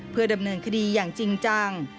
เพื่อดำเนินคดีอย่างจริงจัง